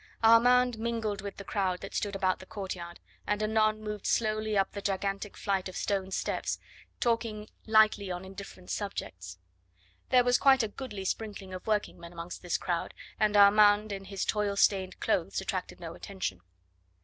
Armand mingled with the crowd that stood about the courtyard, and anon moved slowly up the gigantic flight of stone steps, talking lightly on indifferent subjects. There was quite a goodly sprinkling of workingmen amongst this crowd, and Armand in his toil stained clothes attracted no attention.